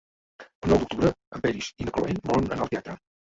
El nou d'octubre en Peris i na Cloè volen anar al teatre.